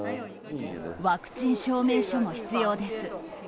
ワクチン証明書も必要です。